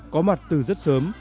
có mặt từ rất sớm